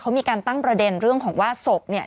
เขามีการตั้งประเด็นเรื่องของว่าศพเนี่ย